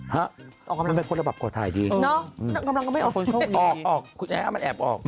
ฮะมันเป็นคนระบบกว่าถ่ายดีอ๋ออ๋อออกคุณแอ๊มมันแอบออก